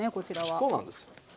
そうなんですよ。